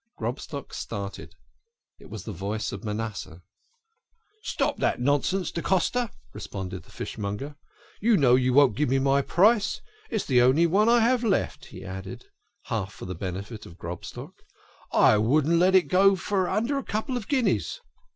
Grobstock started. It was the voice of Manasseh. "Stop that nonsense, da Costa," responded the fish monger. " You know you won't give me my price. It is the only one I have left," he added, half for the benefit of Grobstock. " I couldn't let it go under a couple of guineas."